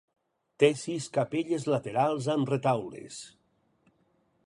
Té sis capelles laterals amb retaules.